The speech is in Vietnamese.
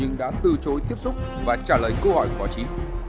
nhưng đã từ chối tiếp xúc và trả lời câu hỏi của báo chí